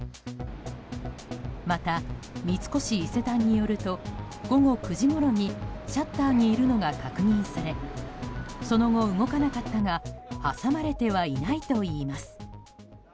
また、三越伊勢丹によると午後９時ごろにシャッターにいるのが確認されその後、動かなかったが挟まれてはいないといいます。